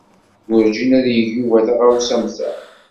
Werjin ad yeg Yuba taɣawsa am ta.